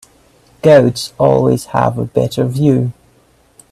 Goats always have a better view.